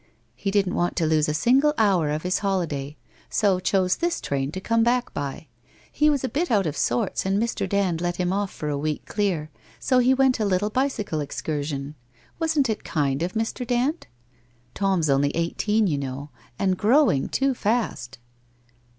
He didn't want to lose a single hour of his holiday, so chose this train to come back by. He was a bit out of sorts and Mr. Dand let him off for the week clear, so he went a little bicycle excursion. Wasn't it kind of Mr. Dand? Tom's only eighteen, you know, and growing too fast